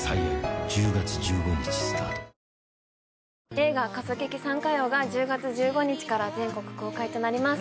映画「かそけきサンカヨウ」が１０月１５日から全国公開となります